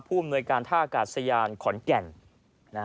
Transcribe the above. ภูมิโนยการท่าอากาศยานขอนแก่น